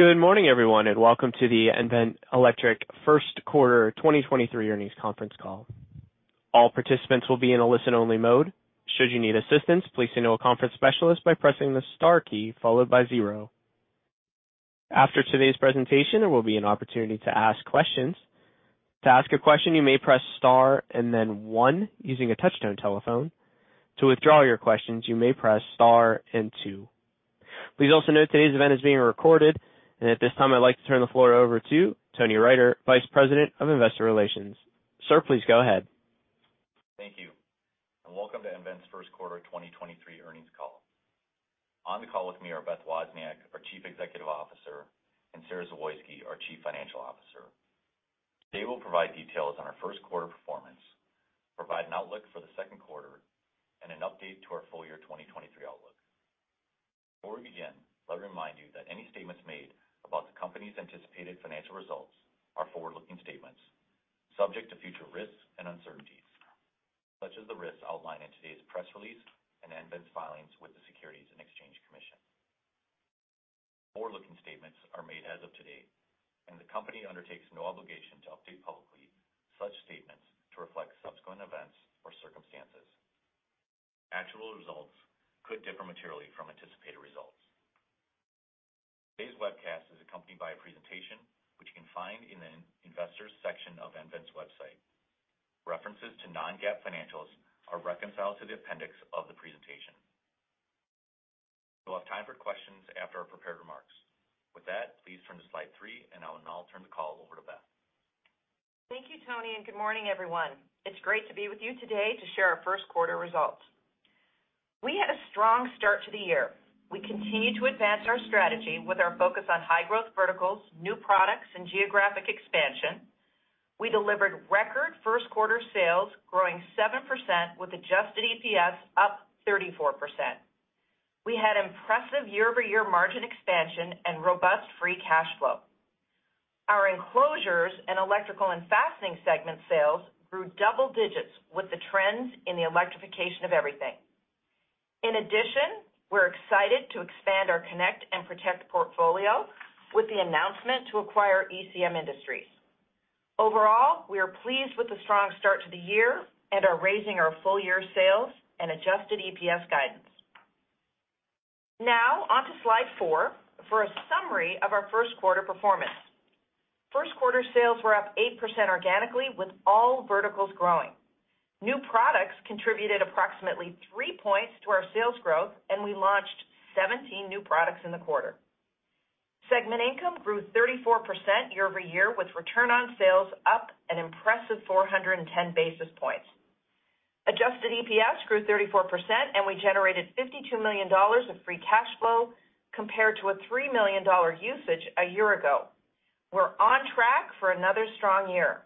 Good morning, everyone, and welcome to the nVent Electric First Quarter 2023 Earnings Conference Call. All participants will be in a listen-only mode. Should you need assistance, please signal a conference specialist by pressing the star key followed by 0. After today's presentation, there will be an opportunity to ask questions. To ask a question, you may press star and then 1 using a touch-tone telephone. To withdraw your questions, you may press star and 2. Please also note today's event is being recorded. At this time, I'd like to turn the floor over to Tony Riter, Vice President of Investor Relations. Sir, please go ahead. Thank you. Welcome to nVent's First Quarter 2023 Earnings Call. On the call with me are Beth Wozniak, our Chief Executive Officer, and Sara Zawoyski, our Chief Financial Officer. They will provide details on our first quarter performance, provide an outlook for the second quarter, and an update to our full year 2023 outlook. Before we begin, let me remind you that any statements made about the company's anticipated financial results are forward-looking statements subject to future risks and uncertainties, such as the risks outlined in today's press release and nVent's filings with the Securities and Exchange Commission. Forward-looking statements are made as of today, the company undertakes no obligation to update publicly such statements to reflect subsequent events or circumstances. Actual results could differ materially from anticipated results. Today's webcast is accompanied by a presentation, which you can find in the investor's section of nVent's website. References to non-GAAP financials are reconciled to the appendix of the presentation. We'll have time for questions after our prepared remarks. With that, please turn to slide three, and I will now turn the call over to Beth. Thank you, Tony, and good morning, everyone. It's great to be with you today to share our first quarter results. We had a strong start to the year. We continue to advance our strategy with our focus on high-growth verticals, new products, and geographic expansion. We delivered record first quarter sales, growing 7% with adjusted EPS up 34%. We had impressive year-over-year margin expansion and robust free cash flow. Our enclosures and electrical and fastening segment sales grew double digits with the trends in the electrification of everything. In addition, we're excited to expand our connect and protect portfolio with the announcement to acquire ECM Industries. Overall, we are pleased with the strong start to the year and are raising our full-year sales and adjusted EPS guidance. Now, on to slide four for a summary of our first quarter performance. First quarter sales were up 8% organically with all verticals growing. New products contributed approximately 3 points to our sales growth, and we launched 17 new products in the quarter. Segment income grew 34% year-over-year, with return on sales up an impressive 410 basis points. Adjusted EPS grew 34%, and we generated $52 million of free cash flow compared to a $3 million usage a year ago. We're on track for another strong year.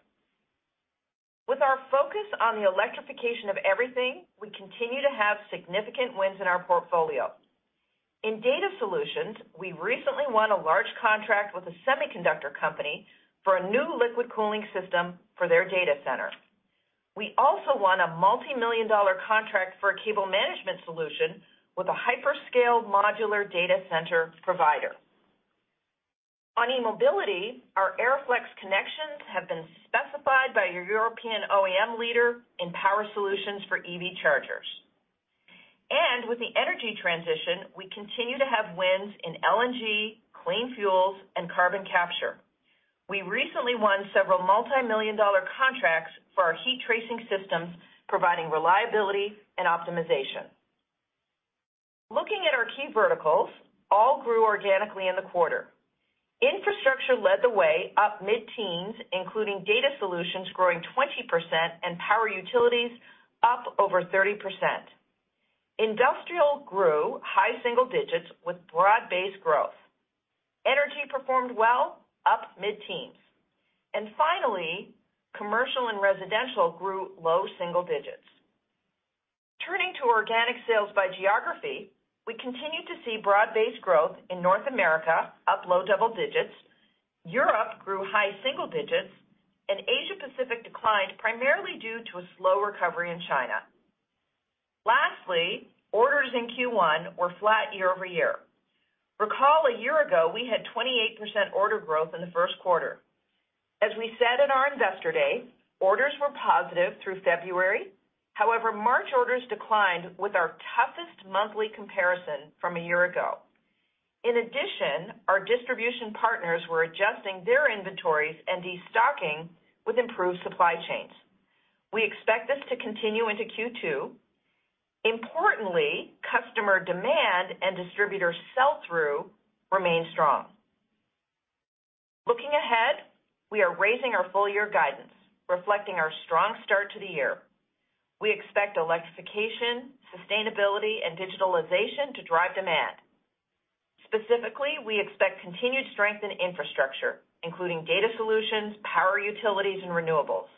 With our focus on the electrification of everything, we continue to have significant wins in our portfolio. In data solutions, we recently won a large contract with a semiconductor company for a new liquid cooling system for their data center. We also won a multi-million dollar contract for a cable management solution with a hyperscale modular data center provider. E-mobility, our ERIFLEX connections have been specified by a European OEM leader in power solutions for EV chargers. With the energy transition, we continue to have wins in LNG, clean fuels, and carbon capture. We recently won several multi-million dollar contracts for our heat tracing systems, providing reliability and optimization. Looking at our key verticals, all grew organically in the quarter. Infrastructure led the way up mid-teens, including data solutions growing 20% and power utilities up over 30%. Industrial grew high single digits with broad-based growth. Energy performed well, up mid-teens. Finally, commercial and residential grew low single digits. Turning to organic sales by geography, we continued to see broad-based growth in North America, up low double digits. Europe grew high single digits, and Asia Pacific declined primarily due to a slow recovery in China. Lastly, orders in Q1 were flat year-over-year. Recall a year ago, we had 28% order growth in the first quarter. As we said in our Investor Day, orders were positive through February. March orders declined with our toughest monthly comparison from a year ago. Our distribution partners were adjusting their inventories and destocking with improved supply chains. We expect this to continue into Q2. Importantly, customer demand and distributor sell-through remain strong. Looking ahead, we are raising our full year guidance, reflecting our strong start to the year. We expect electrification, sustainability, and digitalization to drive demand. Specifically, we expect continued strength in infrastructure, including data solutions, power utilities, and renewables.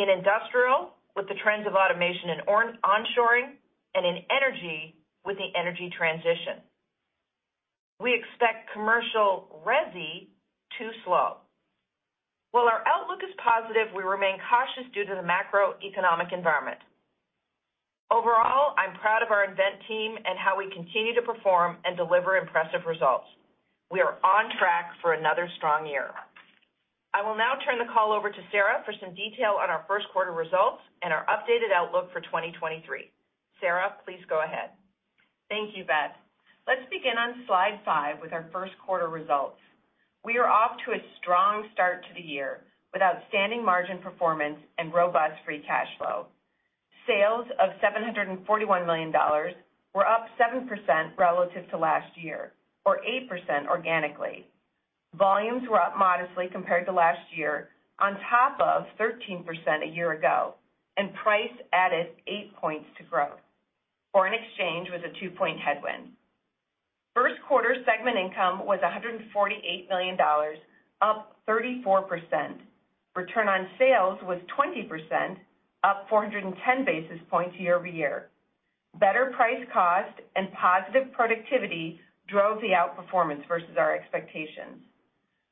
In industrial, with the trends of automation and onshoring, and in energy with the energy transition. We expect commercial resi to slow. While our outlook is positive, we remain cautious due to the macroeconomic environment. Overall, I'm proud of our nVent team and how we continue to perform and deliver impressive results. We are on track for another strong year. I will now turn the call over to Sara for some detail on our first quarter results and our updated outlook for 2023. Sara, please go ahead. Thank you, Beth. Let's begin on slide 5 with our first quarter results. We are off to a strong start to the year with outstanding margin performance and robust free cash flow. Sales of $741 million were up 7% relative to last year, or 8% organically. Volumes were up modestly compared to last year on top of 13% a year ago. Price added 8 points to growth. Foreign exchange was a 2-point headwind. First quarter segment income was $148 million, up 34%. Return on sales was 20%, up 410 basis points year-over-year. Better price cost and positive productivity drove the outperformance versus our expectations.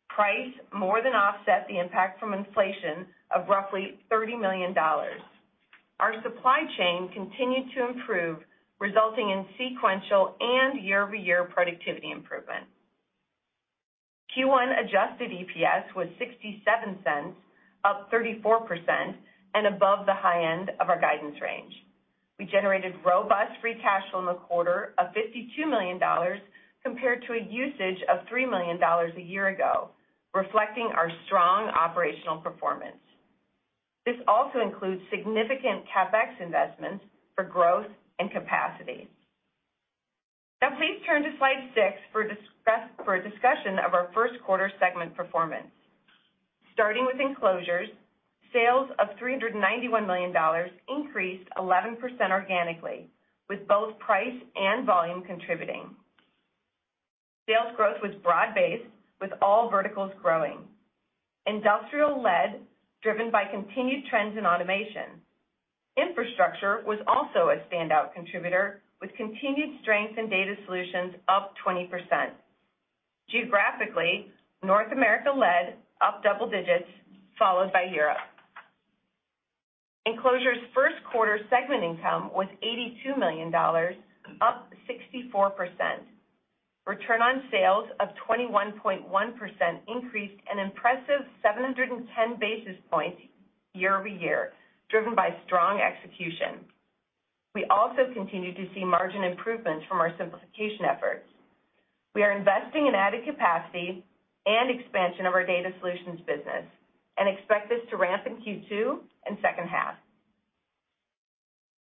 Price more than offset the impact from inflation of roughly $30 million. Our supply chain continued to improve, resulting in sequential and year-over-year productivity improvement. Q1 adjusted EPS was $0.67, up 34% and above the high end of our guidance range. We generated robust free cash flow in the quarter of $52 million compared to a usage of $3 million a year ago, reflecting our strong operational performance. This also includes significant CapEx investments for growth and capacity. Now please turn to slide 6 for a discussion of our first quarter segment performance. Starting with Enclosures, sales of $391 million increased 11% organically, with both price and volume contributing. Sales growth was broad-based, with all verticals growing. Industrial led, driven by continued trends in automation. Infrastructure was also a standout contributor, with continued strength in data solutions up 20%. Geographically, North America led, up double digits, followed by Europe. Enclosure's first quarter segment income was $82 million, up 64%. Return on sales of 21.1% increased an impressive 710 basis points year-over-year, driven by strong execution. We also continued to see margin improvements from our simplification efforts. We are investing in added capacity and expansion of our data solutions business and expect this to ramp in Q2 and second half.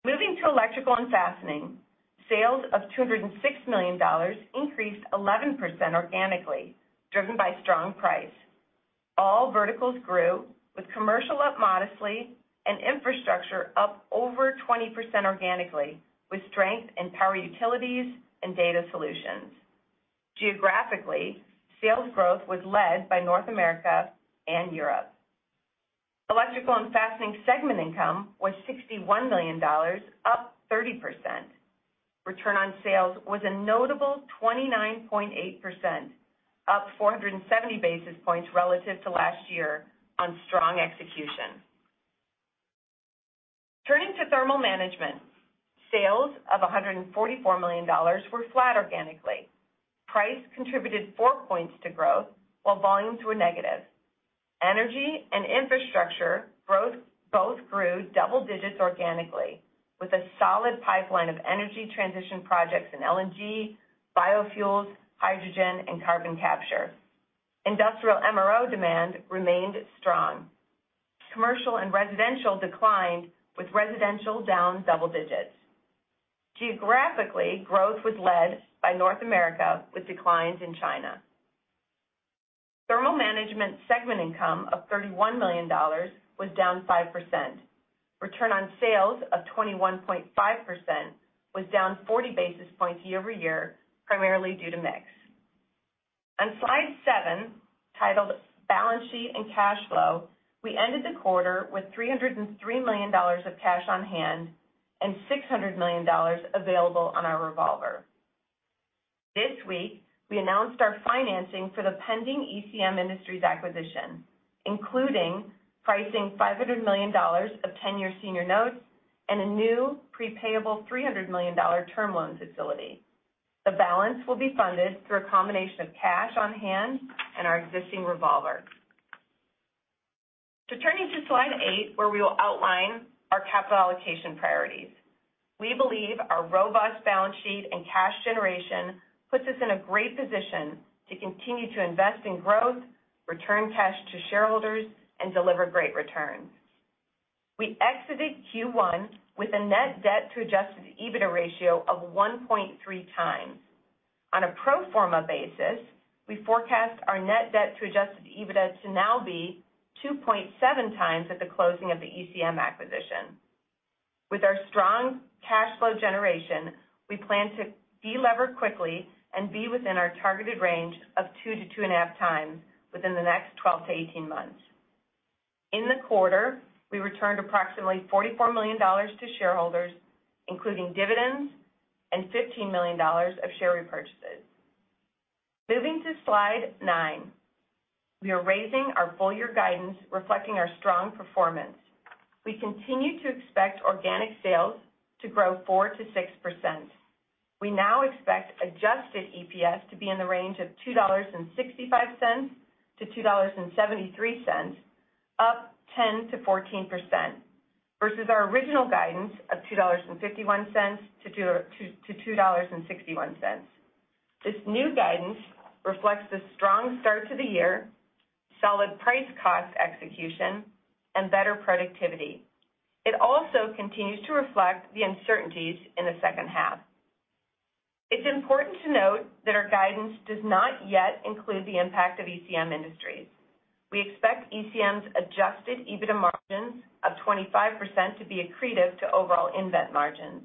Moving to Electrical and Fastening, sales of $206 million increased 11% organically, driven by strong price. All verticals grew, with commercial up modestly and infrastructure up over 20% organically, with strength in power utilities and data solutions. Geographically, sales growth was led by North America and Europe. Electrical and Fastening segment income was $61 million, up 30%. Return on sales was a notable 29.8%, up 470 basis points relative to last year on strong execution. Turning to thermal management, sales of $144 million were flat organically. Price contributed 4 points to growth while volumes were negative. Energy and infrastructure growth both grew double digits organically with a solid pipeline of energy transition projects in LNG, biofuels, hydrogen, and carbon capture. Industrial MRO demand remained strong. Commercial and residential declined, with residential down double digits. Geographically, growth was led by North America, with declines in China. Thermal Management's segment income of $31 million was down 5%. Return on sales of 21.5% was down 40 basis points year-over-year, primarily due to mix. On slide 7, titled Balance Sheet and Cash Flow, we ended the quarter with $303 million of cash on hand and $600 million available on our revolver. This week, we announced our financing for the pending ECM Industries acquisition, including pricing $500 million of 10-year senior notes and a new prepaid $300 million term loan facility. The balance will be funded through a combination of cash on hand and our existing revolver. Turning to slide 8, where we will outline our capital allocation priorities. We believe our robust balance sheet and cash generation puts us in a great position to continue to invest in growth, return cash to shareholders, and deliver great returns. We exited Q1 with a net debt to Adjusted EBITDA ratio of 1.3 times. On a pro forma basis, we forecast our net debt to Adjusted EBITDA to now be 2.7 times at the closing of the ECM acquisition. With our strong cash flow generation, we plan to delever quickly and be within our targeted range of 2 to 2.5 times within the next 12 to 18 months. In the quarter, we returned approximately $44 million to shareholders, including dividends and $15 million of share repurchases. Moving to slide 9. We are raising our full year guidance reflecting our strong performance. We continue to expect organic sales to grow 4%-6%. We now expect adjusted EPS to be in the range of $2.65 to $2.73, up 10%-14%, versus our original guidance of $2.51 to $2.61. This new guidance reflects the strong start to the year, solid price-cost execution, and better productivity. It also continues to reflect the uncertainties in the second half. It's important to note that our guidance does not yet include the impact of ECM Industries. We expect ECM's Adjusted EBITDA margins of 25% to be accretive to overall nVent margins,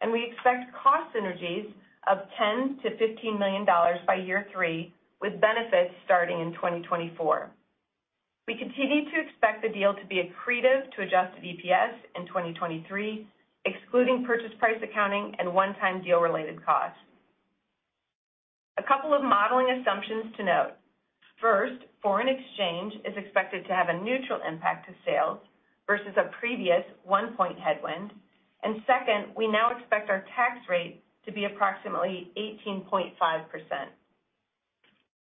and we expect cost synergies of $10 million-$15 million by year 3, with benefits starting in 2024. We continue to expect the deal to be accretive to adjusted EPS in 2023, excluding purchase price accounting and one-time deal related costs. A couple of modeling assumptions to note. First, foreign exchange is expected to have a neutral impact to sales versus a previous 1% headwind. Second, we now expect our tax rate to be approximately 18.5%.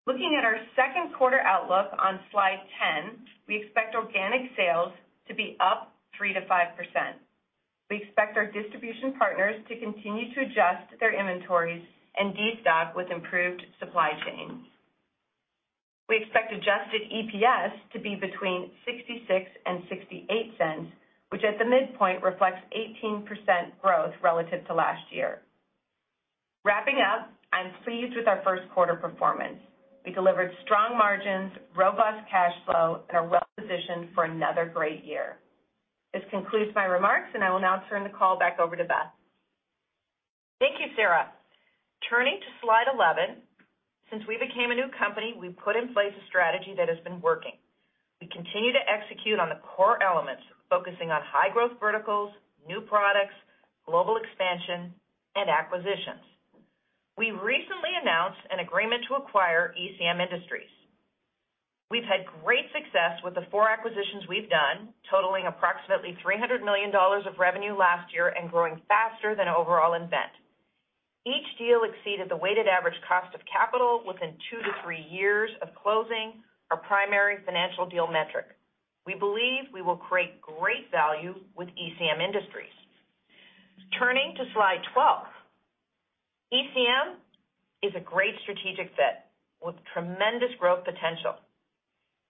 Looking at our second quarter outlook on slide 10, we expect organic sales to be up 3%-5%. We expect our distribution partners to continue to adjust their inventories and destock with improved supply chains. We expect adjusted EPS to be between $0.66 and $0.68, which at the midpoint reflects 18% growth relative to last year. Wrapping up, I'm pleased with our first quarter performance. We delivered strong margins, robust cash flow, and are well-positioned for another great year. This concludes my remarks, and I will now turn the call back over to Beth. Thank you, Sara. Turning to slide 11. Since we became a new company, we've put in place a strategy that has been working. We continue to execute on the core elements, focusing on high growth verticals, new products, global expansion, and acquisitions. We recently announced an agreement to acquire ECM Industries. We've had great success with the four acquisitions we've done, totaling approximately $300 million of revenue last year and growing faster than overall nVent. Each deal exceeded the weighted average cost of capital within two to three years of closing our primary financial deal metric. We believe we will create great value with ECM Industries. Turning to slide 12. ECM is a great strategic fit with tremendous growth potential.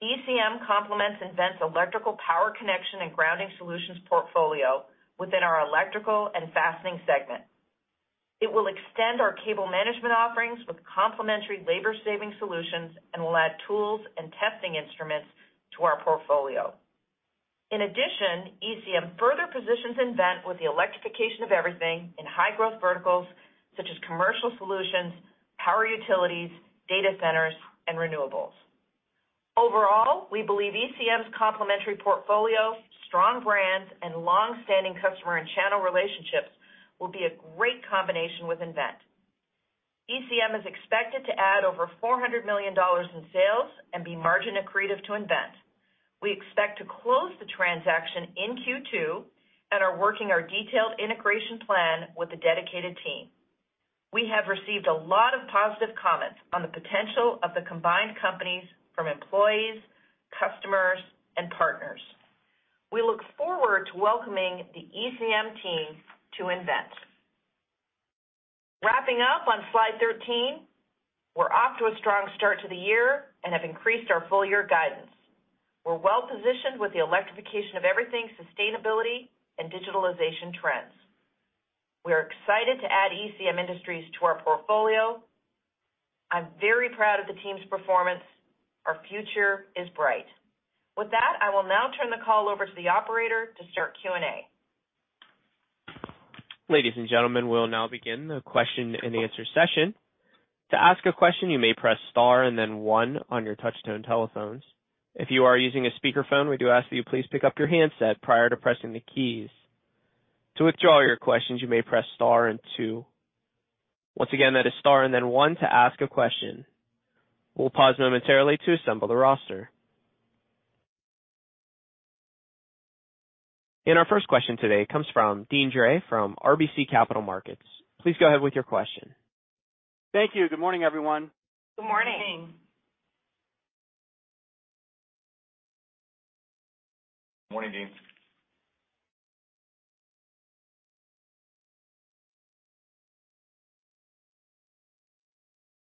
ECM complements nVent's electrical power connection and grounding solutions portfolio within our electrical and fastening segment. It will extend our cable management offerings with complementary labor-saving solutions and will add tools and testing instruments to our portfolio. ECM further positions nVent with the electrification of everything in high-growth verticals such as commercial solutions, power utilities, data centers, and renewables. We believe ECM's complementary portfolio, strong brands, and long-standing customer and channel relationships will be a great combination with nVent. ECM is expected to add over $400 million in sales and be margin accretive to nVent. We expect to close the transaction in Q2 and are working our detailed integration plan with a dedicated team. We have received a lot of positive comments on the potential of the combined companies from employees, customers, and partners. We look forward to welcoming the ECM team to nVent. Wrapping up on slide 13. We're off to a strong start to the year and have increased our full year guidance. We're well positioned with the electrification of everything, sustainability, and digitalization trends. We are excited to add ECM Industries to our portfolio. I'm very proud of the team's performance. Our future is bright. With that, I will now turn the call over to the operator to start Q&A. Ladies and gentlemen, we'll now begin the question-and-answer session. To ask a question, you may press star and then 1 on your touch-tone telephones. If you are using a speakerphone, we do ask that you please pick up your handset prior to pressing the keys. To withdraw your questions, you may press star and 2. Once again, that is star and then 1 to ask a question. We'll pause momentarily to assemble the roster. Our first question today comes from Deane Dray from RBC Capital Markets. Please go ahead with your question. Thank you. Good morning, everyone. Good morning. Good morning. Morning, Deane Dray.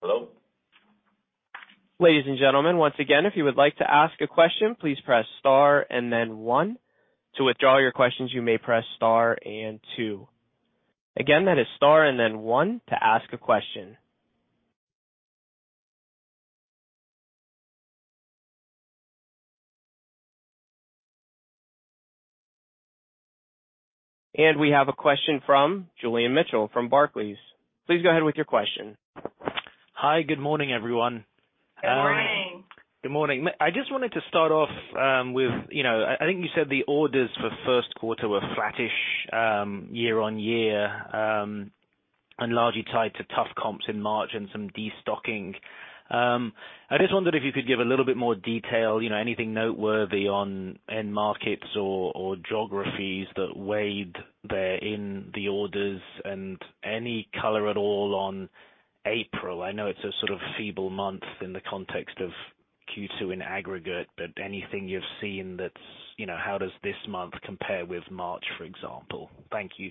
Hello? Ladies and gentlemen, once again, if you would like to ask a question, please press star and then 1. To withdraw your questions, you may press star and 2. Again, that is star and then 1 to ask a question. We have a question from Julian Mitchell from Barclays. Please go ahead with your question. Hi, good morning, everyone. Good morning. Good morning. I just wanted to start off, you know, I think you said the orders for 1st quarter were flattish year-on-year and largely tied to tough comps in March and some destocking. I just wondered if you could give a little bit more detail, you know, anything noteworthy on end markets or geographies that weighed there in the orders and any color at all on April. I know it's a sort of feeble month in the context of Q2 in aggregate, but anything you've seen that's, you know, how does this month compare with March, for example? Thank you.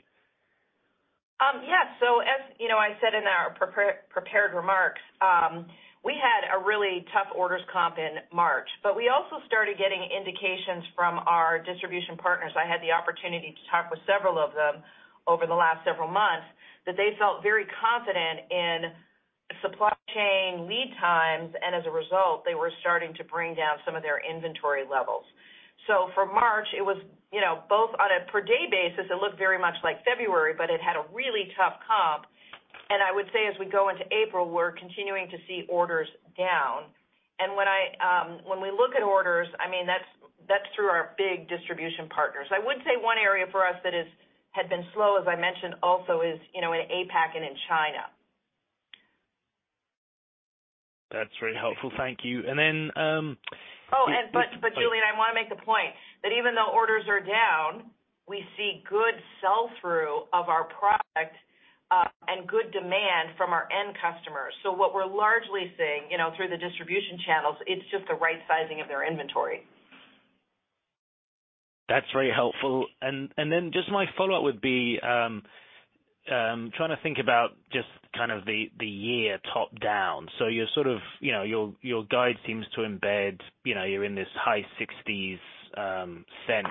Yeah. As, you know, I said in our prep-prepared remarks, we had a really tough orders comp in March, but we also started getting indications from our distribution partners. I had the opportunity to talk with several of them over the last several months that they felt very confident in supply chain lead times, and as a result, they were starting to bring down some of their inventory levels. For March, it was, you know, both on a per day basis, it looked very much like February, but it had a really tough comp. I would say as we go into April, we're continuing to see orders down. When we look at orders, I mean, that's through our big distribution partners. I would say one area for us that is, had been slow, as I mentioned also is, you know, in APAC and in China. That's very helpful. Thank you. Julian, I wanna make the point that even though orders are down, we see good sell through of our product, and good demand from our end customers. What we're largely seeing, you know, through the distribution channels, it's just the right sizing of their inventory. That's very helpful. Then just my follow-up would be, trying to think about just kind of the year top-down. You're sort of, you know, your guide seems to embed, you know, you're in this high $0.60s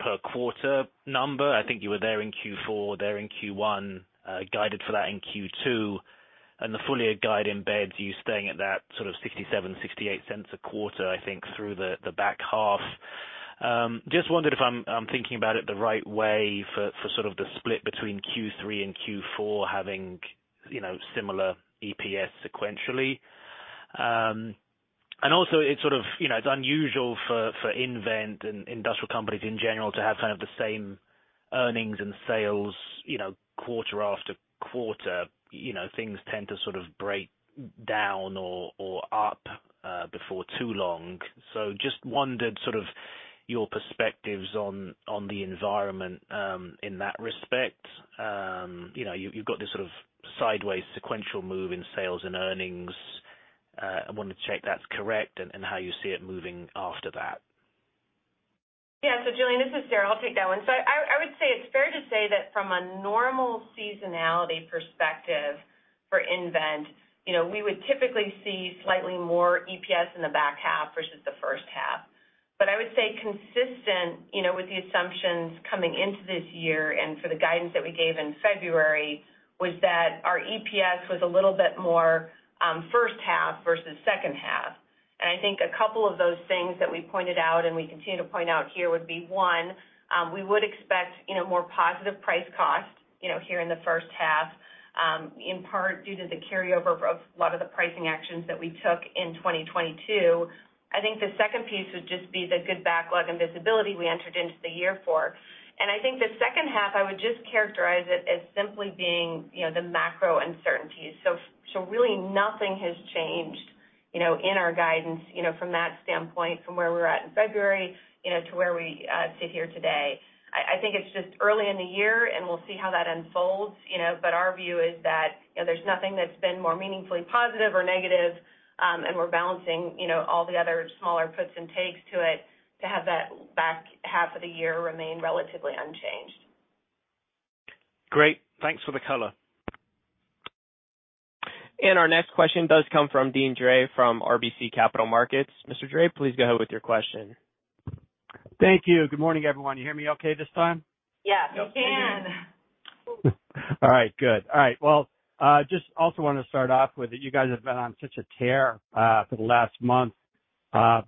per quarter number. I think you were there in Q4, there in Q1, guided for that in Q2. The full-year guide embeds you staying at that sort of $0.67-$0.68 a quarter, I think, through the back half. Just wondered if I'm thinking about it the right way for sort of the split between Q3 and Q4 having, you know, similar EPS sequentially. Also it's sort of, you know, it's unusual for nVent and industrial companies in general to have kind of the same earnings and sales, you know, quarter after quarter. You know, things tend to sort of break down or up, before too long. Just wondered sort of your perspectives on the environment, in that respect. You know, you've got this sort of sideways sequential move in sales and earnings. I wanted to check that's correct and how you see it moving after that. Julian, this is Sara Zawoyski, I'll take that one. I would say it's fair to say that from a normal seasonality perspective for nVent, you know, we would typically see slightly more EPS in the back half versus the first half. But I would say consistent, you know, with the assumptions coming into this year and for the guidance that we gave in February, was that our EPS was a little bit more, first half versus second half. And I think a couple of those things that we pointed out and we continue to point out here would be, one, we would expect, you know, more positive price cost, you know, here in the first half, in part due to the carryover of a lot of the pricing actions that we took in 2022. I think the second piece would just be the good backlog and visibility we entered into the year for. I think the second half, I would just characterize it as simply being, you know, the macro uncertainties. Really nothing has changed, you know, in our guidance, you know, from that standpoint, from where we were at in February, you know, to where we sit here today. I think it's just early in the year, and we'll see how that unfolds, you know. Our view is that, you know, there's nothing that's been more meaningfully positive or negative, and we're balancing, you know, all the other smaller puts and takes to it to have that back half of the year remain relatively unchanged. Great. Thanks for the color. Our next question does come from Deane Dray from RBC Capital Markets. Mr. Dray, please go ahead with your question. Thank you. Good morning, everyone. You hear me okay this time? Yes, we can. All right. Good. All right. Well, just also wanted to start off with that you guys have been on such a tear for the last month,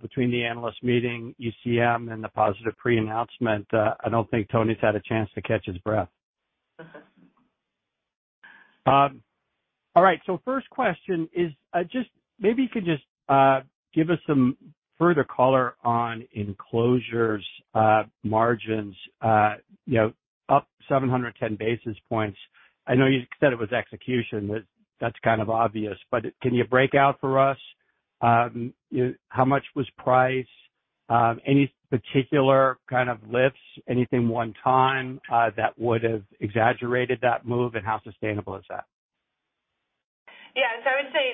between the analyst meeting, ECM, and the positive pre-announcement. I don't think Tony's had a chance to catch his breath. All right, first question is, just maybe you could just give us some further color on Enclosures margins, you know, up 710 basis points. I know you said it was execution, that's kind of obvious, but can you break out for us, how much was price? Any particular kind of lifts, anything one time, that would have exaggerated that move? How sustainable is that? Yeah. I would say,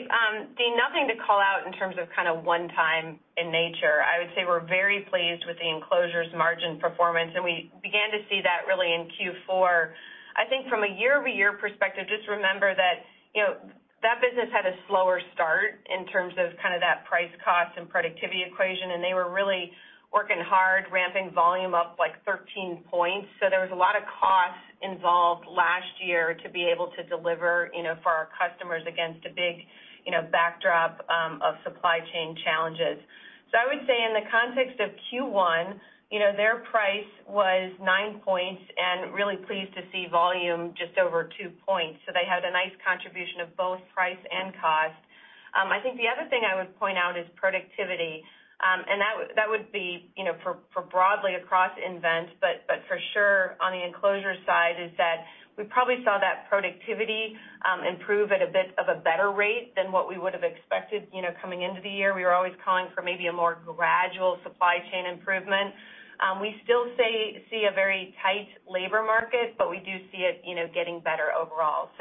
Dean nothing to call out in terms of kinda one time in nature. I would say we're very pleased with the Enclosures margin performance, and we began to see that really in Q4. I think from a year-over-year perspective, just remember that, you know, that business had a slower start in terms of kinda that price-cost and productivity equation, and they were really working hard ramping volume up like 13%. There was a lot of cost involved last year to be able to deliver, you know, for our customers against a big, you know, backdrop of supply chain challenges. I would say in the context of Q1, you know, their price was 9% and really pleased to see volume just over 2%. They had a nice contribution of both price and cost. I think the other thing I would point out is productivity. That would be, you know, for broadly across nVent, but for sure on the enclosure side is that we probably saw that productivity improve at a bit of a better rate than what we would've expected, you know. Coming into the year, we were always calling for maybe a more gradual supply chain improvement. We still see a very tight labor market, but we do see it, you know, getting better overall.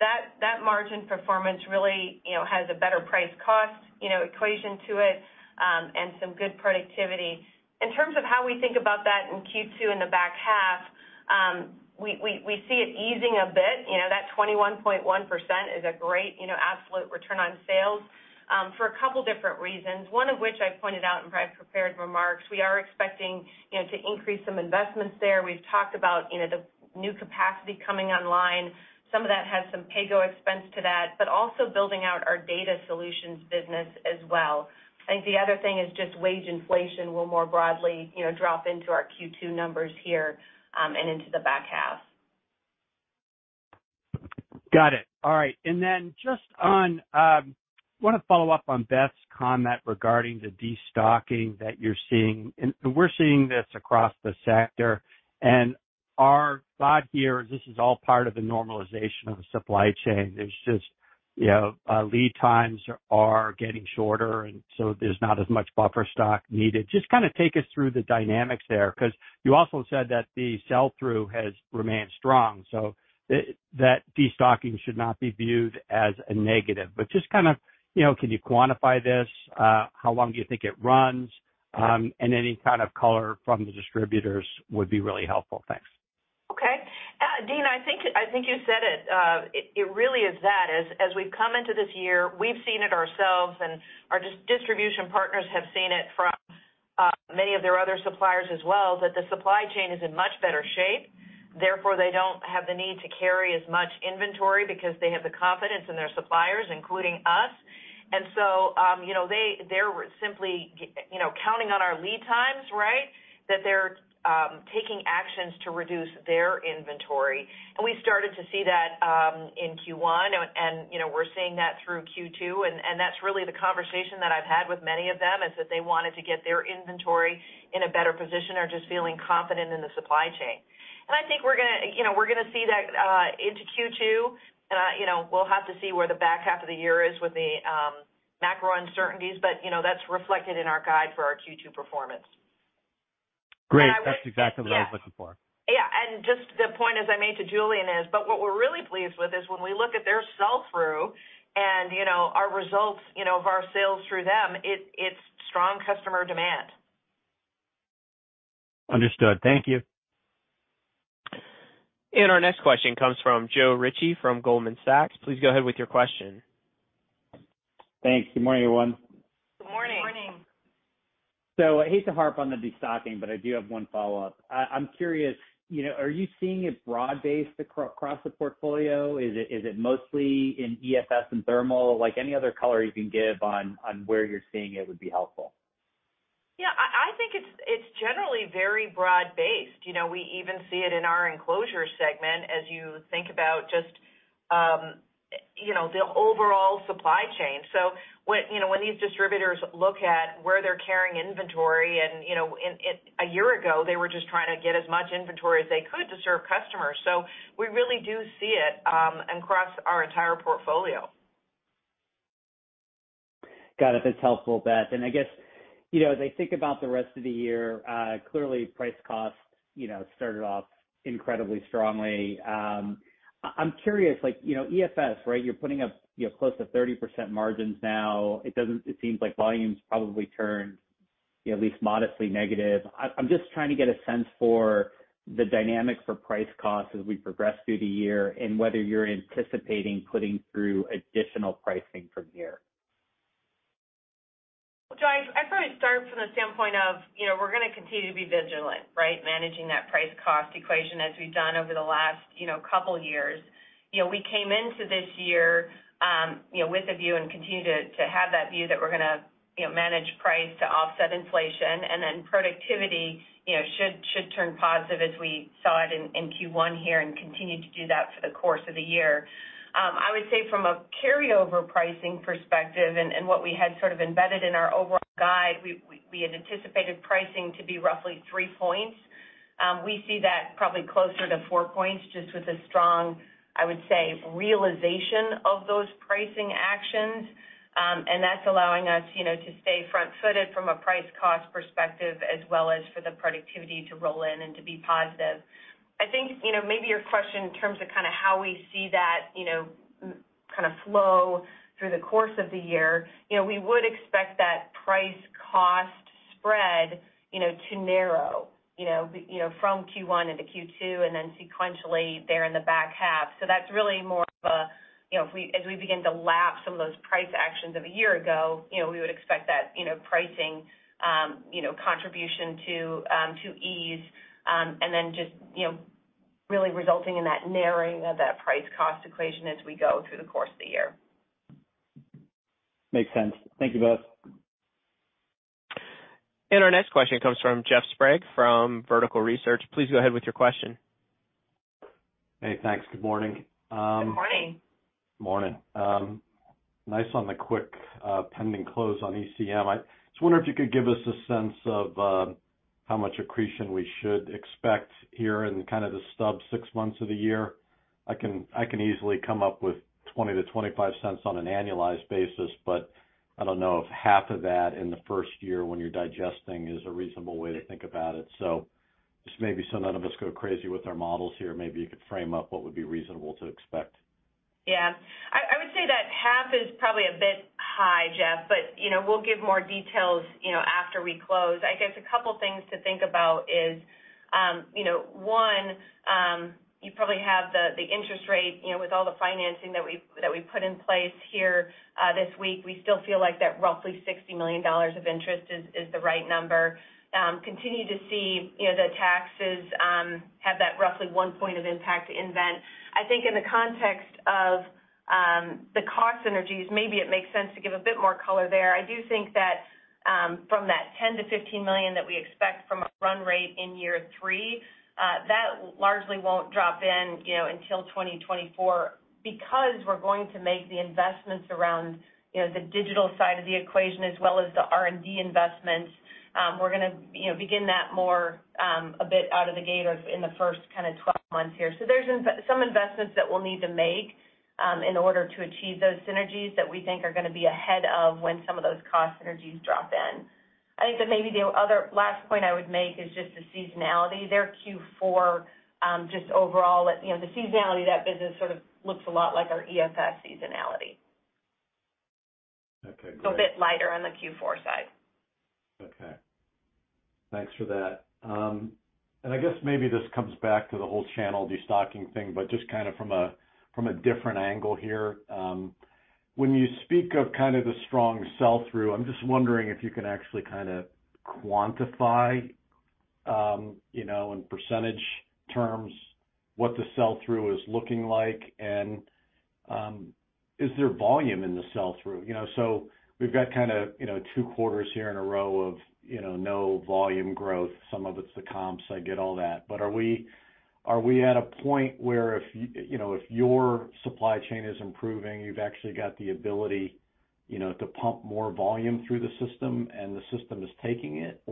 That, that margin performance really, you know, has a better price cost, you know, equation to it, and some good productivity. In terms of how we think about that in Q2 in the back half, we see it easing a bit. You know, that 21.1% is a great, you know, absolute return on sales for a couple different reasons, one of which I pointed out in my prepared remarks. We are expecting, you know, to increase some investments there. We've talked about, you know, the new capacity coming online. Some of that has some paygo expense to that, but also building out our data solutions business as well. I think the other thing is just wage inflation will more broadly, you know, drop into our Q2 numbers here and into the back half. Got it. All right. Just on, wanna follow up on Beth's comment regarding the destocking that you're seeing. We're seeing this across the sector, and our thought here is this is all part of the normalization of the supply chain. There's just, you know, lead times are getting shorter, and so there's not as much buffer stock needed. Just kinda take us through the dynamics there 'cause you also said that the sell-through has remained strong, so that destocking should not be viewed as a negative. Just kinda, you know, can you quantify this? How long do you think it runs? Any kind of color from the distributors would be really helpful. Thanks. Okay. Deane, I think you said it. It really is that. As we've come into this year, we've seen it ourselves, and our distribution partners have seen it from many of their other suppliers as well, that the supply chain is in much better shape, therefore they don't have the need to carry as much inventory because they have the confidence in their suppliers, including us. You know, they're simply you know, counting on our lead times, right? That they're taking actions to reduce their inventory. We started to see that in Q1, and, you know, we're seeing that through Q2, and that's really the conversation that I've had with many of them is that they wanted to get their inventory in a better position or just feeling confident in the supply chain. I think we're gonna, you know, we're gonna see that into Q2. You know, we'll have to see where the back half of the year is with the macro uncertainties, but, you know, that's reflected in our guide for our Q2 performance. Great. That's exactly what I was looking for. Just the point as I made to Julian is, what we're really pleased with is when we look at their sell-through and, you know, our results, you know, of our sales through them, it's strong customer demand. Understood. Thank you. Our next question comes from Joe Ritchie from Goldman Sachs. Please go ahead with your question. Thanks. Good morning, everyone. Good morning. Good morning. I hate to harp on the destocking, I do have one follow-up. I'm curious, you know, are you seeing it broad-based across the portfolio? Is it mostly in EFS and thermal? Like, any other color you can give on where you're seeing it would be helpful. Yeah. I think it's generally very broad-based. You know, we even see it in our enclosure segment as you think about just, you know, the overall supply chain. When, you know, when these distributors look at where they're carrying inventory and, you know, and a year ago, they were just trying to get as much inventory as they could to serve customers. We really do see it, across our entire portfolio. Got it. That's helpful, Beth. I guess, you know, as I think about the rest of the year, clearly price cost, you know, started off incredibly strongly. I'm curious, like, you know, EFS, right? You're putting up, you know, close to 30% margins now. It seems like volume's probably turned at least modestly negative. I'm just trying to get a sense for the dynamics for price cost as we progress through the year and whether you're anticipating putting through additional pricing from here. I'd probably start from the standpoint of, you know, we're gonna continue to be vigilant, right? Managing that price cost equation as we've done over the last, you know, couple years. You know, we came into this year, you know, with a view and continue to have that view that we're gonna, you know, manage price to offset inflation, and then productivity, you know, should turn positive as we saw it in Q1 here and continue to do that for the course of the year. I would say from a carryover pricing perspective and what we had sort of embedded in our overall guide, we had anticipated pricing to be roughly three points. We see that probably closer to four points just with a strong, I would say, realization of those pricing actions. That's allowing us, you know, to stay front-footed from a price cost perspective as well as for the productivity to roll in and to be positive. I think, you know, maybe your question in terms of kinda how we see that, you know, kind of flow through the course of the year, you know, we would expect that price cost spread, you know, to narrow, you know, you know, from Q1 into Q2 and then sequentially there in the back half. That's really more of a. You know, if we as we begin to lap some of those price actions of a year ago, you know, we would expect that, you know, pricing, you know, contribution to ease, and then just, you know, really resulting in that narrowing of that price cost equation as we go through the course of the year. Makes sense. Thank you both. Our next question comes from Jeff Sprague from Vertical Research. Please go ahead with your question. Hey, thanks. Good morning. Good morning. Morning. Nice on the quick pending close on ECM. I just wonder if you could give us a sense of how much accretion we should expect here in kind of the stub 6 months of the year. I can easily come up with $0.20-$0.25 on an annualized basis, but I don't know if half of that in the 1st year when you're digesting is a reasonable way to think about it. Just maybe so none of us go crazy with our models here, maybe you could frame up what would be reasonable to expect. I would say that half is probably a bit high, Jeff, but, you know, we'll give more details, you know, after we close. I guess a couple things to think about is, you know, one, you probably have the interest rate, you know, with all the financing that we've put in place here, this week, we still feel like that roughly $60 million of interest is the right number. Continue to see, you know, the taxes have that roughly 1 point of impact to nVent. I think in the context of the cost synergies, maybe it makes sense to give a bit more color there. I do think that, from that $10 million-$15 million that we expect from a run rate in year 3, that largely won't drop in until 2024 because we're going to make the investments around the digital side of the equation as well as the R&D investments. We're gonna begin that more a bit out of the gate or in the first kind of 12 months here. There's some investments that we'll need to make in order to achieve those synergies that we think are gonna be ahead of when some of those cost synergies drop in. I think that maybe the other last point I would make is just the seasonality. Their Q4 just overall, the seasonality of that business sort of looks a lot like our EFS seasonality. Okay, great. A bit lighter on the Q4 side. Okay. Thanks for that. I guess maybe this comes back to the whole channel destocking thing, but just kinda from a, from a different angle here. When you speak of kind of the strong sell-through, I'm just wondering if you can actually kinda quantify, you know, in percentage terms what the sell-through is looking like. Is there volume in the sell-through? You know, we've got kinda, you know, two quarters here in a row of, you know, no volume growth. Some of it's the comps, I get all that. Are we at a point where if you know, if your supply chain is improving, you've actually got the ability, you know, to pump more volume through the system and the system is taking it?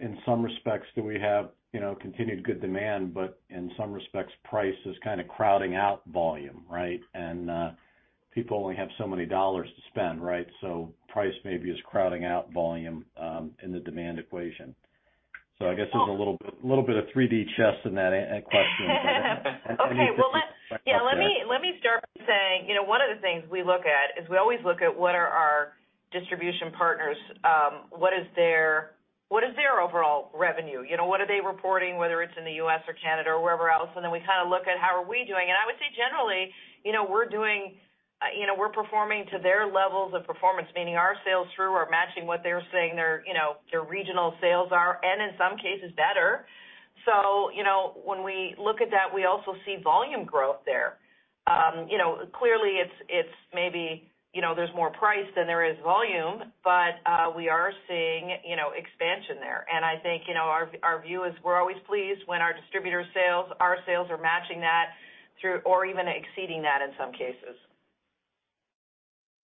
In some respects, do we have, you know, continued good demand, but in some respects, price is kinda crowding out volume, right? People only have so many dollars to spend, right? Price maybe is crowding out volume in the demand equation. I guess there's a little bit of 3D chess in that question, but can you just. Okay. Well, let me start by saying, you know, one of the things we look at is we always look at what are our distribution partners, what is their overall revenue? You know, what are they reporting, whether it's in the US or Canada or wherever else, and then we kind of look at how are we doing. I would say generally, you know, we're doing, you know, we're performing to their levels of performance, meaning our sales through are matching what they're saying their, you know, their regional sales are, and in some cases better. When we look at that, we also see volume growth there. You know, clearly it's maybe, you know, there's more price than there is volume, but we are seeing, you know, expansion there. I think, you know, our view is we're always pleased when our distributor sales are matching that through or even exceeding that in some cases.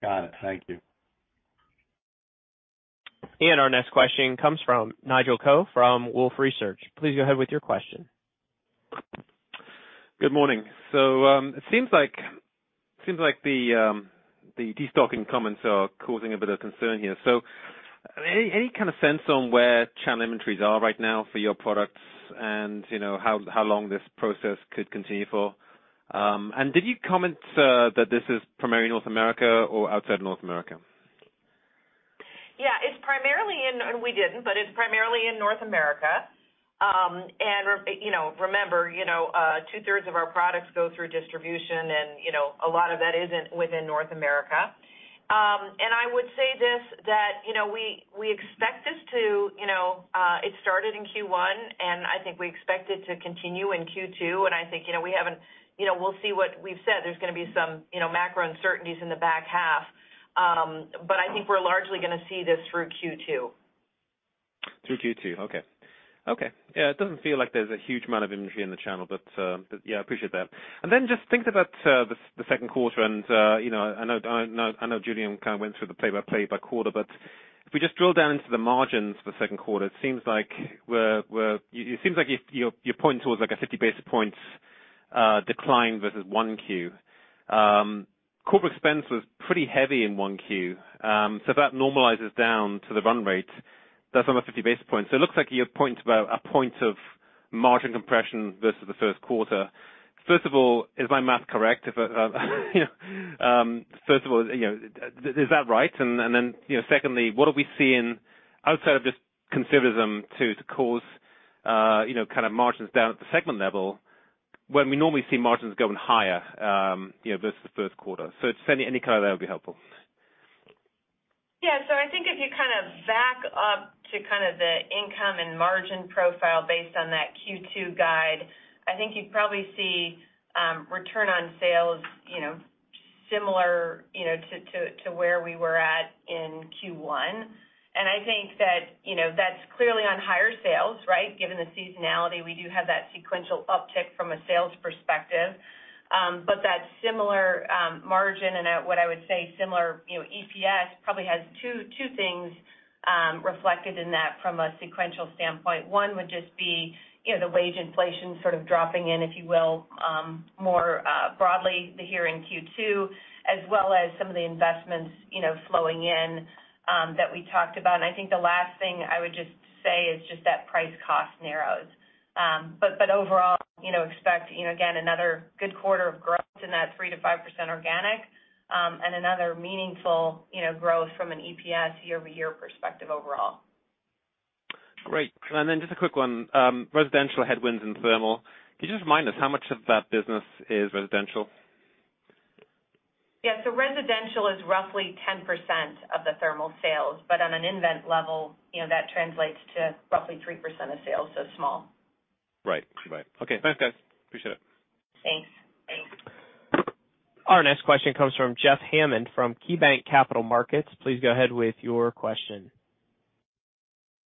Got it. Thank you. Our next question comes from Nigel Coe from Wolfe Research. Please go ahead with your question. Good morning. It seems like the destocking comments are causing a bit of concern here. Any kind of sense on where channel inventories are right now for your products and, you know, how long this process could continue for? Did you comment that this is primarily North America or outside North America? Yeah. It's primarily, and we didn't, but it's primarily in North America. you know, remember, you know, two-thirds of our products go through distribution and, you know, a lot of that isn't within North America. I would say this, that, you know, we expect this to, you know... It started in Q1. I think we expect it to continue in Q2. I think, you know, we haven't... You know, we'll see what we've said. There's gonna be some, you know, macro uncertainties in the back half. I think we're largely gonna see this through Q2. Through Q2. Okay. Okay. Yeah, it doesn't feel like there's a huge amount of inventory in the channel, but yeah, appreciate that. Just thinking about the second quarter and, you know, I know Julian kind of went through the play by play by quarter, but if we just drill down into the margins for second quarter, it seems like you're pointing towards like a 50 basis points decline versus 1Q. Corporate expense was pretty heavy in 1Q. So if that normalizes down to the run rate, that's on the 50 basis points. It looks like you point to about 1 point of margin compression versus the first quarter. First of all, is my math correct? If, first of all, you know, is that right? You know, secondly, what are we seeing outside of just conservatism to cause. You know, kind of margins down at the segment level when we normally see margins going higher, you know, versus first quarter. It's any kind of that would be helpful. I think if you kind of back up to kind of the income and margin profile based on that Q2 guide, I think you'd probably see return on sales, you know, similar to where we were at in Q1. I think that, you know, that's clearly on higher sales, right. Given the seasonality, we do have that sequential uptick from a sales perspective. That similar margin and at what I would say similar, you know, EPS probably has two things reflected in that from a sequential standpoint. One would just be, you know, the wage inflation sort of dropping in, if you will, more broadly the hearing Q2, as well as some of the investments, you know, flowing in that we talked about. I think the last thing I would just say is just that price cost narrows. But overall, you know, expect, you know, again, another good quarter of growth in that 3%-5% organic, and another meaningful, you know, growth from an EPS year-over-year perspective overall. Great. Just a quick one. residential headwinds and thermal. Could you just remind us how much of that business is residential? Yeah. Residential is roughly 10% of the thermal sales, but on an nVent level, you know, that translates to roughly 3% of sales, so small. Right. Right. Okay. Thanks, guys. Appreciate it. Thanks. Our next question comes from Jeff Hammond from KeyBanc Capital Markets. Please go ahead with your question.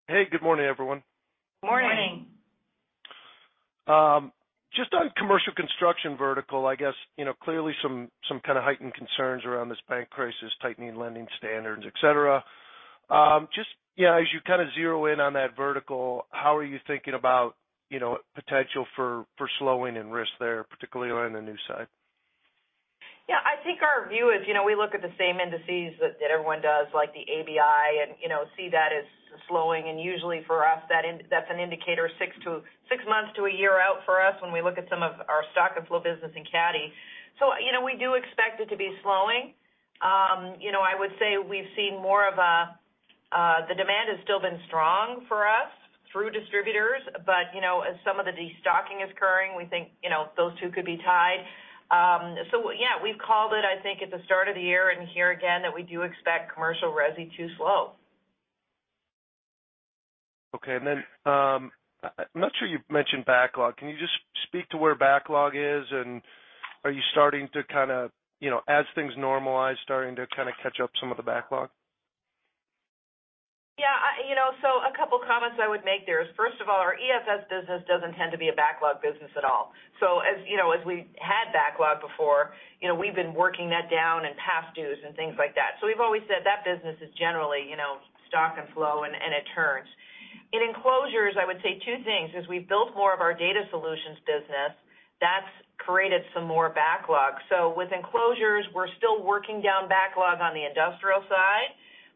Hey, good morning, everyone. Morning. just on commercial construction vertical, I guess, you know, clearly some kind of heightened concerns around this bank crisis, tightening lending standards, et cetera. just, you know, as you kind of zero in on that vertical, how are you thinking about, you know, potential for slowing and risk there, particularly on the new side? Yeah, I think our view is, you know, we look at the same indices that everyone does, like the ABI and, you know, see that as slowing. Usually for us, that's an indicator six months to one year out for us when we look at some of our stock and flow business in CADDY. You know, we do expect it to be slowing. You know, I would say we've seen more of a, the demand has still been strong for us through distributors, but, you know, as some of the destocking is occurring, we think, you know, those two could be tied. Yeah, we've called it, I think, at the start of the year and here again that we do expect commercial resi to slow. Okay. I'm not sure you've mentioned backlog. Can you just speak to where backlog is and are you starting to kinda, you know, as things normalize, starting to kinda catch up some of the backlog? You know, a couple comments I would make there is, first of all, our EFS business doesn't tend to be a backlog business at all. As, you know, as we had backlog before, you know, we've been working that down in past dues and things like that. We've always said that business is generally, you know, stock and flow and it turns. In enclosures, I would say two things. As we've built more of our data solutions business, that's created some more backlog. With enclosures, we're still working down backlog on the industrial side,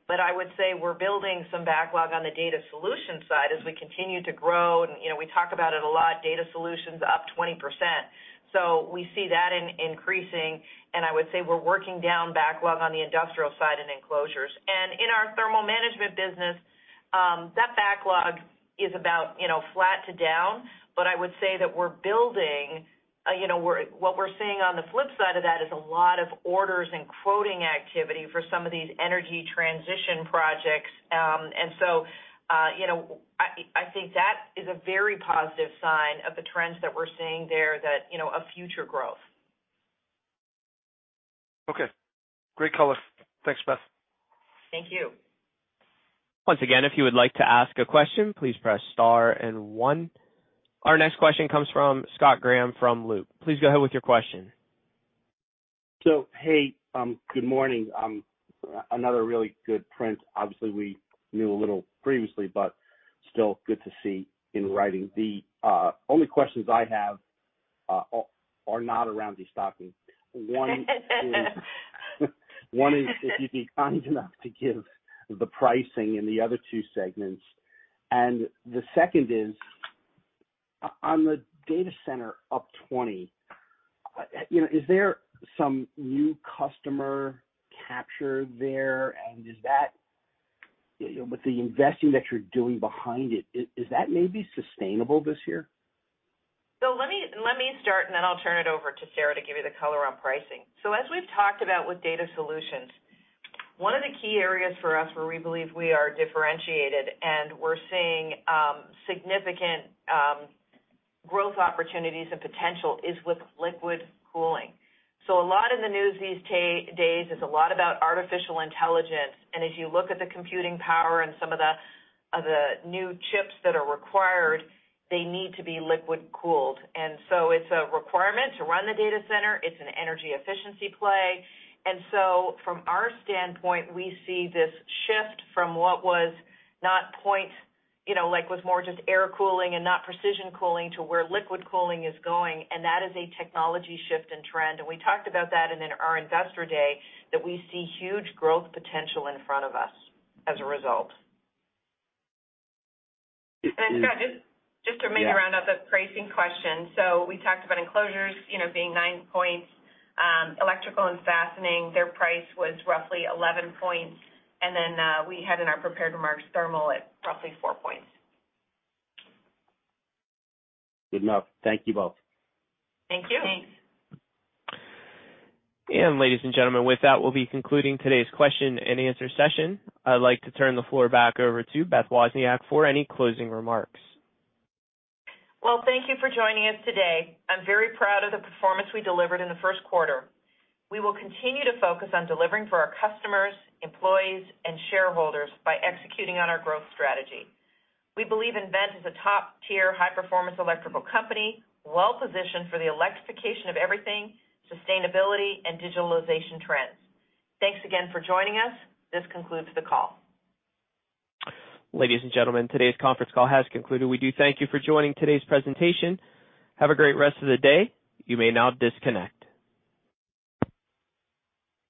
but I would say we're building some backlog on the data solution side as we continue to grow. You know, we talk about it a lot, data solutions up 20%. We see that increasing, and I would say we're working down backlog on the industrial side in enclosures. In our thermal management business, that backlog is about, you know, flat to down. I would say that we're building, you know, what we're seeing on the flip side of that is a lot of orders and quoting activity for some of these energy transition projects. You know, I think that is a very positive sign of the trends that we're seeing there that, you know, of future growth. Okay. Great color. Thanks, Beth. Thank you. Once again, if you would like to ask a question, please press star and 1. Our next question comes from Scott Graham from Loop. Please go ahead with your question. Hey, good morning. Another really good print. Obviously, we knew a little previously, but still good to see in writing. The only questions I have are not around destocking. One is if you'd be kind enough to give the pricing in the other two segments. The second is, on the data center up 20%, you know, is there some new customer capture there? Is that, you know, with the investing that you're doing behind it, is that maybe sustainable this year? Let me start, then I'll turn it over to Sara to give you the color on pricing. As we've talked about with data solutions, one of the key areas for us where we believe we are differentiated and we're seeing significant growth opportunities and potential is with liquid cooling. A lot in the news these days is a lot about artificial intelligence, as you look at the computing power and some of the new chips that are required, they need to be liquid-cooled. It's a requirement to run the data center. It's an energy efficiency play. From our standpoint, we see this shift from what was more just air cooling and not precision cooling to where liquid cooling is going. That is a technology shift and trend. We talked about that and in our Investor Day, that we see huge growth potential in front of us as a result. Scott, just to maybe round out the pricing question. We talked about enclosures, you know, being 9%, electrical and fastening, their price was roughly 11%. Then, we had in our prepared remarks, thermal at roughly 4%. Good enough. Thank you both. Thank you. Ladies and gentlemen, with that, we'll be concluding today's question and answer session. I'd like to turn the floor back over to Beth Wozniak for any closing remarks. Well, thank you for joining us today. I'm very proud of the performance we delivered in the first quarter. We will continue to focus on delivering for our customers, employees, and shareholders by executing on our growth strategy. We believe nVent is a top-tier high-performance electrical company, well-positioned for the electrification of everything, sustainability, and digitalization trends. Thanks again for joining us. This concludes the call. Ladies and gentlemen, today's conference call has concluded. We do thank you for joining today's presentation. Have a great rest of the day. You may now disconnect.